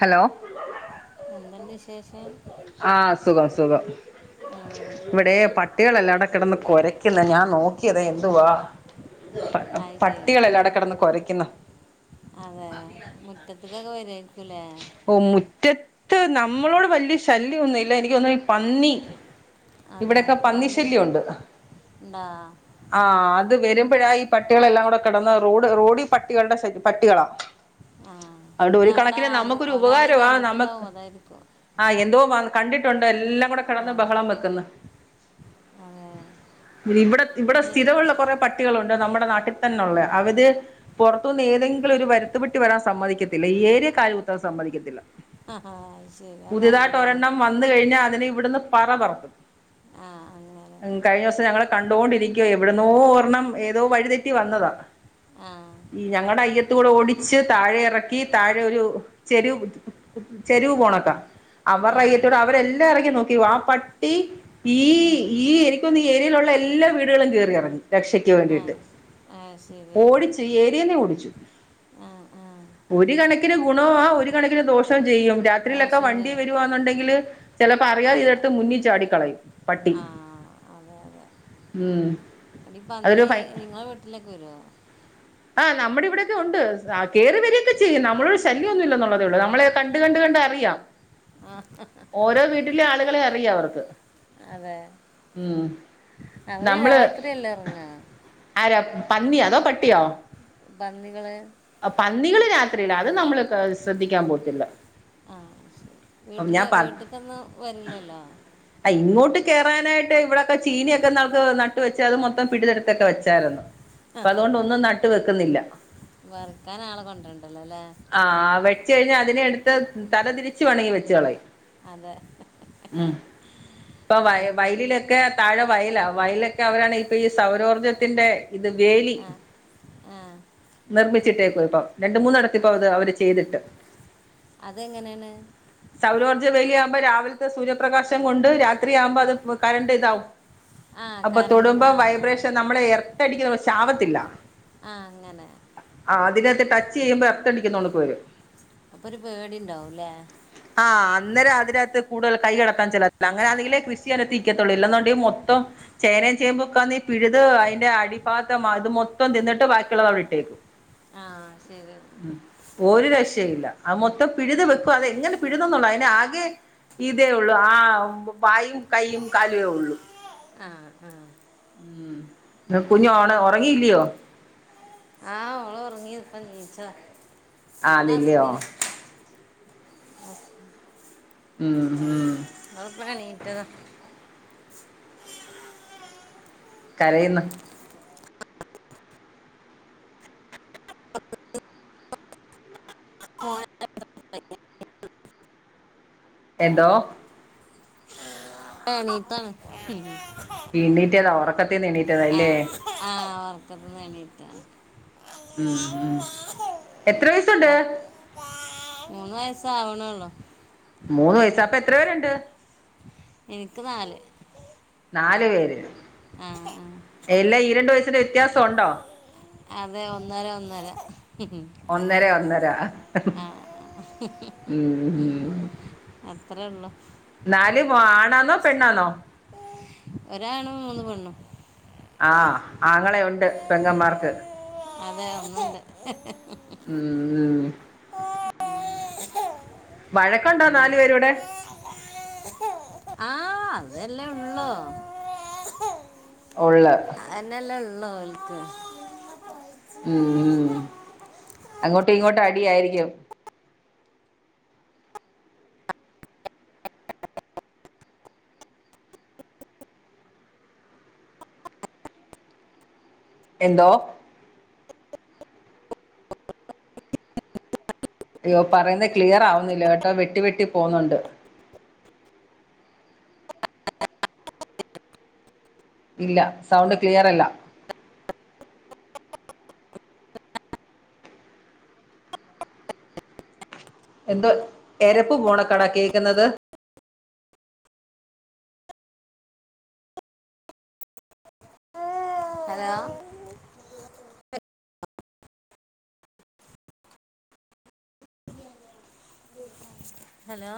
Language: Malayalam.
ഹലോ എന്തുണ്ട് വിശേഷം? ആഹ് സുഖം സുഖം ആ ഇവിടെ പട് പട്ടികളെല്ലാടെ കെടന്ന് കൊരയ്ക്കുന്ന് ഞാൻ നോക്കിയതാ എന്തുവാ പ അത് ശരി പട്ടികൾ എല്ലാടെ അവിടെ കെടന്ന് കൊരയ്ക്കുന്ന് അതെ മുറ്റത്ത്ക്കെക്കെ വെര് വായിരിക്കൂല്ലേ ഓ മുറ്റത്ത് നമ്മളോട് വല്യ ശല്യം ഒന്നും ഇല്ലാ എനിക്ക് തോന്നണു ഈ പന്നി അതെ ഇവിടെയൊക്കെ പന്നിയുണ്ടോ പന്നിശല്യൊണ്ട് ഉണ്ടോ ആഹ് അത് വെരുമ്പഴാ ഈ പട്ടികളെല്ലാം കൂടെ കെടന്ന് റോഡ് റോഡി പട്ടികളുടെ ശ പട്ടികളാ ആഹ് അതുകൊണ്ട് ഒരു അതവിടെ കണക്കിന് ആരും നമുക്കൊരു ഓലാരെയും ഉപകാരവാ നമുക്ക് കണ്ടിട്ടുണ്ടാവും അതായിരിക്കും ആഹ് എന്തോ വ കണ്ടിട്ടുണ്ട് എല്ലാം കൂടെ കെടന്ന് ആ ബഹളം വെക്ക്ന്ന് അതെ ഇവിടെ ഇവിടെ നി സ്ഥിരമുള്ള കുറെ പട്ട് ട്ടികളൊണ്ട് നമ്മടെ നാട്ടി തന്നെ ഒള്ളയാ അവര് പൊറത്തൂന്ന് ഏതെങ്കിലും ഒരു വരുത്തുപട്ടി വരാൻ സമ്മതിക്കത്തില്ലാ ഈ ഏരിയെ കാല് കുത്താൻ സമ്മതിക്കത്തില്ലാ ആഹ് ആഹ് അയ് ശരി അത് നല്ലതാണ് ഒരെണ്ണം വന്ന് കഴിഞ്ഞാ അതിനെ ഇവിടുന്ന് പറ പറത്തും ആഹ് അങ്ങനെ കഴിഞ്ഞ ദിവസം ഞങ്ങള് കണ്ടോണ്ടിരിക്കുവാ എവിടന്നോ ഒരണ്ണം ഏതോ വഴിതെറ്റി വന്നതാ ആഹ് ഈ ഞങ്ങടെ അയ്യത്തൂടെ ഓടിച്ച് താഴെ എറക്കി താഴെ ഒരു ചെരു ചെരുവ് പോണട്ടാ ആ അവർടെ അയ്യത്തോടെ അവരെല്ലാ എറങ്ങി നോക്കി ആ പട്ട് പട്ടി ഈ ഉം. ഈ എനിക്കോന്ന് ഈ ഏരിയയിലുള്ള എല്ലാ വീടുകളും കേറി എറങ്ങി രക്ഷ ക്ക് ആ വേണ്ടീട്ട് ശ- ആ ശരി ഓടിച്ചു ഏരിയേന്നെ ഓടിച്ചു ആ ആ ഒരു കണക്കിന് ഗുണവുവാ ഒരു കണക്കിന് ദോഷോം ചെയ്യും രാത്രിയിലൊക്കെ ദോഷം വണ്ടി ചെയ്യും വെരുവാന്നുണ്ടെങ്കില് ചെലപ്പോ അറിയാ ഇതെടുത്ത് മുന്നി ചാടിക്കളയും പട്ടി ആഹ് അതെ അതെ ഉം എടി അതൊരു പന്നി ഫൈ നിങ്ങളെ വീട്ടിലെക്കെ വരുവോ? ആഹ് നമ്മടെ ഇവിടെയൊക്കെ ഒണ്ട് ആഹ് കേറി വരിയൊക്കെ ചെയ്യും നമ്മളൊ ശല്യൊന്നുല്ലന്നുള്ളതേ ഒള്ളൂ നമ്മളെ കണ്ട് കണ്ട് കണ്ട് അറിയാം ആഹ ഓരോ വീട്ടിലെ ആളുകളെ അറിയാ അവർക്ക് അതെ ഉം അവര് നമ്മള് രാത്രിയല്ലേ എറങ്ങാ ആരാ പന്നിയാ അതോ പട്ടിയോ പന്നികള് ആഹ് പന്നികള് രാത്രിയിലാ അത് നമ്മള് ക് ശ്രദ്ധിക്കാൻ പോകത്തില്ലാ ആഹ് ശരി വീട്ടിലെ വീട്ട്ക്കൊന്നും വെരില്ലല്ലോ ആഹ് ഇങ്ങോട്ട് കേറാനായിട്ട് ഇവിടൊക്കെ ചീനിയൊക്കെ ഇന്നാൾക്ക് നട്ട് വെച്ച് അത് മൊത്തം പിഴ്തെടുത്തൊക്കെ വെച്ചായിരുന്നു അപ്പൊ അതുകൊണ്ട് ഒന്നും നട്ട് വെക്കുന്നില്ല വറക്കാൻ ആളെ കൊണ്ടൊരണ്ടല്ലോല്ലേ ആഹ് വെച്ച് കഴിഞ്ഞാ അതിനെ എടുത്ത് തലതിരിച്ച് വേണെങ്കി വെച്ച് കളയും. അതെ ആഹ് ഇപ്പൊ വ അതൊക്കെ ചെയ്യും വയലിലൊക്കെ താഴെ വയലാ വയലൊക്കെ അവരാണ് ഇപ്പൊ ഈ സൗരോർജ്ജത്തിന്റെ ഇത് വേലി ആഹ് നിർമ്മിച്ചിട്ടേക്കുവ ഇപ്പം രണ്ട് മൂന്നിടത്തിപ്പൊ അത് അവര് ചെയ്തിട്ട് അതെങ്ങനെയാണ് സൗരോർജ്ജ വലി ആകുമ്പോൾ രാവിലത്തെ സൂര്യപ്രകാശം കൊണ്ട് രാത്രി ആവുമ്പോ അത് കറണ്ട് ഇതാവും ആ അപ്പൊ കറണ്ട് ബി- തൊടുമ്പം ആ ആ വൈബ്രേഷൻ നമ്മളെ എർത്തടിക്കുന്ന പോലെ ചാവത്തില്ല ആഹ് അങ്ങനെ ആഹ് അതിനകത്ത് ടച്ച് ചെയ്യുമ്പോ എർത്തടിക്കുന്നോണുക്ക് വരും അപ്പൊ ഒരു പേടി ഉണ്ടാവുല്ലേ ആഹ് അന്നേര അതിനകത്ത് കൂടുതൽ കൈ കടാൻ ചെലത്തില്ല അങ്ങനൊണെങ്കി കൃഷി അകത്ത് നിക്കത്തുള്ളൂ ഇല്ല എന്നുണ്ടെങ്കിൽ മൊത്തം ചേനയും ചേമ്പൊക്കാ നീ പിഴുത് അതിന്റെ അടി ഭാഗൊക്കെ അത് മൊത്തം തിന്നിട്ട് ബാക്കി ള്ളത് അവിട്ടേക്കും ആഹ് ശരി ഉം ഒരു രക്ഷയുല്ല അത് മൊത്തം പിഴുത് വെക്കും അതെ എങ്ങനെ പിഴുതുന്നള്ള അത് ആകെ ഇതേ ഒള്ളൂ ആ വായും കൈയും കാലേ ഉള്ളു ആഹ് ആഹ് ഉം കുഞ്ഞു ഓണ ഉറങ്ങിയില്ലയോ ആ ഓള് ഒറങ്ങി ഇപ്പം നീച്ചതാ ഇത് ആന്നില്ലയോ അസ്മില ഉം ഉം ഓള്പ്പട് എണീറ്റതാ കരയുന്നോ [unintelligible] എന്തോ പ്പണീറ്റാണാ എണീറ്റതാ ഉറക്കത്തിന്ന് എണ്ണീറ്റതാ അല്ലേ ആഹ് ഓർക്കത്തിന്ന് എണീട്ടാ ഉം ഉം എത്ര വയസുണ്ട് ആ, മൂന്ന് വയസ്സാവ്ണൊള്ളൂ മൂന്ന് വയസാ അപ്പ എത്ര പേരുണ്ട് എനിക്ക് നാല് നാല് പേര് ആഹ് ആഹ് എല്ലാ ഈ രണ്ടു വയസിന്റെ വ്യത്യാസം ഉണ്ടോ അതെ ഒന്നര ഒന്നര ഒന്നര ഒന്നര ആഹ് ഉം ഉം അത്രെ ഉള്ളു നാല് ആണാണോ പെണ്ണാന്നോ ഒരാണും മൂന്ന് പെണ്ണു ആഹ് ആങ്ങള ഉണ്ട് പെങ്ങമാർക്ക് അതെ ഒന്നുണ്ട് ഉം ഉം വഴക്കുണ്ടോ നാല് അങ്ങനെ പേരുടെ അതെല്ലേ ഉള്ളു ഒള്ള് എന്നെല്ലേ ഉള്ളൂ അവൾക്ക് ഉം ഉം അങ്ങോട്ടും ഇങ്ങോട്ടും അടിയായിരിക്കും എന്തോ? അയ്യോ പറയുന്നത് ക്ലിയർ ആവുന്നില്ല കേട്ടോ വെട്ടി വെട്ടി പോകുന്നുണ്ട് ഇല്ല സൗണ്ട് ക്ലിയറല്ല എന്തോ എരപ്പ് പോണൊക്കാടാ കേൾക്കുന്നത് ഹലോ [inaudible] ഹലോ